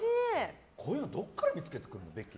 こういうのどこから見つけてくるの？